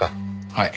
はい。